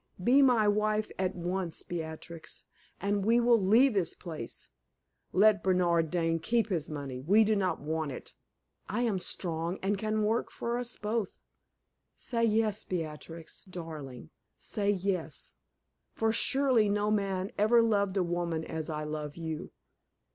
Be my wife at once, Beatrix, and we will leave this place. Let Bernard Dane keep his money; we do not want it. I am strong, and can work for us both. Say yes, Beatrix, darling say yes! For surely no man ever loved a woman as I love you."